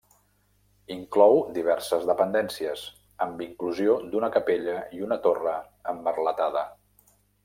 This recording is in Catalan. Inclou diverses dependències, amb inclusió d'una capella i una torre emmerletada.